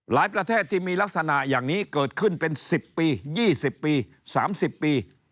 ประเทศที่มีลักษณะอย่างนี้เกิดขึ้นเป็น๑๐ปี๒๐ปี๓๐ปี